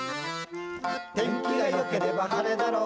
「天気がよければ晴れだろう！」